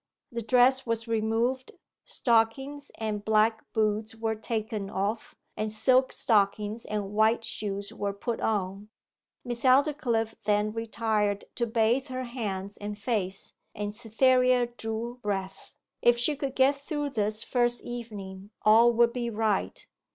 The dress was removed, stockings and black boots were taken off, and silk stockings and white shoes were put on. Miss Aldclyffe then retired to bathe her hands and face, and Cytherea drew breath. If she could get through this first evening, all would be right.